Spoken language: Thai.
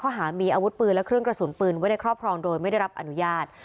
หามีอาวุธปืนและเครื่องกระสุนปืนไว้ในครอบครองโดยไม่ได้รับอนุญาต